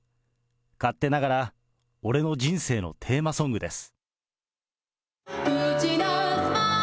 勝手ながら、俺の人生のテーマソングです。